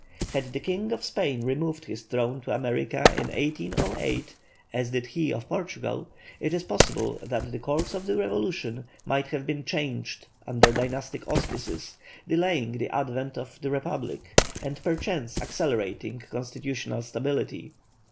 Had the King of Spain removed his throne to America in 1808, as did he of Portugal, it is possible that the course of the revolution might have been changed under dynastic auspices, delaying the advent of the republic and perchance accelerating constitutional stability.